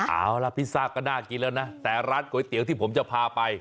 เอาล่ะพิซซ่าก็น่ากินแล้วนะแต่ร้านก๋วยเตี๋ยวที่ผมจะพาไป